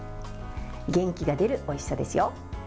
元気が出るおいしさですよ。